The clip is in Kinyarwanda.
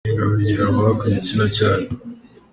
Intare y’ingabo igira amahwa ku gitsina cyayo.